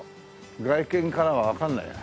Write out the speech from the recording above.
外見からはわからないね。